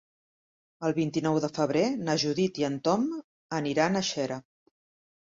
El vint-i-nou de febrer na Judit i en Tom aniran a Xera.